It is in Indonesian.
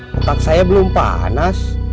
botak saya belum panas